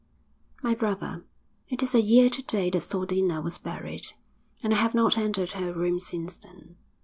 'My brother, it is a year to day that Sodina was buried, and I have not entered her room since then.